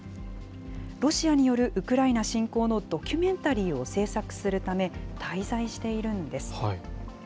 ロシアによるウクライナ侵攻のドキュメンタリーを制作するため、滞在しているんです。